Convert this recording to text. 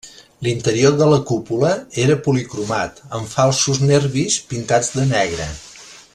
L'interior de la cúpula era policromat, amb falsos nervis pintats de negre.